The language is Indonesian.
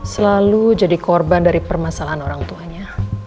selalu jadi korban dari permasalahan orang tuanya